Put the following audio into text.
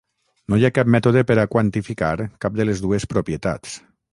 No hi ha cap mètode per a quantificar cap de les dues propietats.